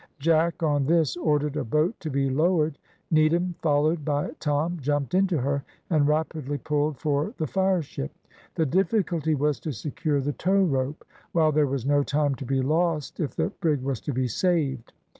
Jack, on this, ordered a boat to be lowered; Needham, followed by Tom, jumped into her, and rapidly pulled for the fireship. The difficulty was to secure the towrope, while there was no time to be lost if the brig was to be saved.